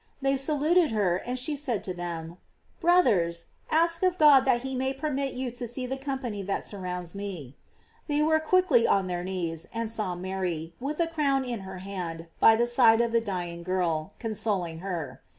They saluted her, and she said to them: "Brothers, ask of God that he may permit you to see the company that surrounds me." They were quick ly on their knees, and saw Mary, with a crown in her hand by the side of the dying girl, con soling her.